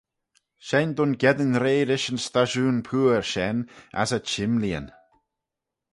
Shegin dooin geddyn rey rish yn stashoon pooar shen as e çhimleeyn.